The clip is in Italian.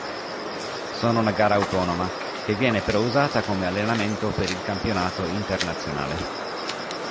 Sono una gara autonoma, che viene però usata come allenamento per il campionato internazionale.